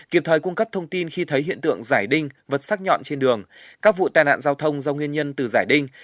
kịp thời cung cấp thông tin khi thấy hiện tượng rải đinh vật sát nhọn trên đường các vụ tai nạn giao thông do nguyên nhân từ rải đinh